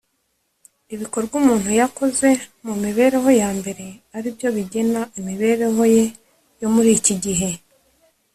ibikorwa umuntu yakoze mu mibereho ya mbere ari byo bigena imibereho ye yo muri iki gihe